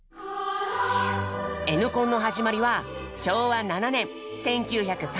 「Ｎコン」の始まりは昭和７年１９３２年。